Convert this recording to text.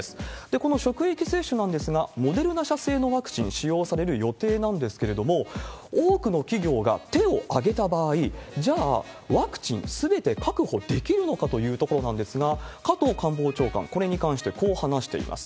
この職域接種なんですが、モデルナ社製のワクチンが使用される予定なんですけれども、多くの企業が手を挙げた場合、じゃあワクチンすべて確保できるのかというところなんですが、加藤官房長官、これに関してこう話しています。